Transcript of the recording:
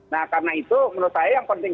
nah karena itu menurut saya yang penting